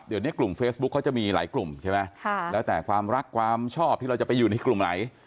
เดี๋ยวนี้กลุ่มเฟซบุ๊คเขาจะมีหลายกลุ่มใช่ไหมแล้วแต่ความรักความชอบที่เราจะไปอยู่ในกลุ่มไหน